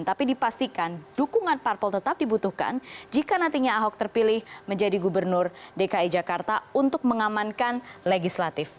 tapi dipastikan dukungan parpol tetap dibutuhkan jika nantinya ahok terpilih menjadi gubernur dki jakarta untuk mengamankan legislatif